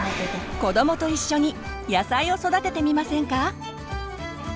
子どもと一緒に野菜を育ててみませんか？